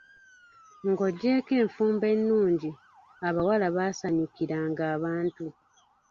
Ng'oggyeko enfumba ennungi, abawala baasanyukiranga abantu.